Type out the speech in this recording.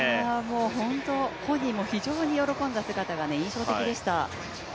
本当、本人も非常に喜んだ姿が印象的でした。